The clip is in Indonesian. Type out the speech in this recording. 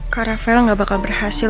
kak rafael gak bakal berhasil